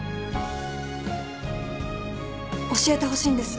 教えてほしいんです